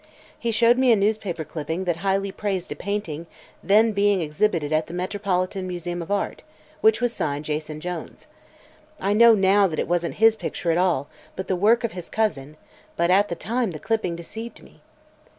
He showed me a newspaper clipping that highly praised a painting then being exhibited at the Metropolitan Museum of Art, which was signed Jason Jones. I know now that it wasn't his picture at all, but the work of his cousin, but at the time the clipping deceived me.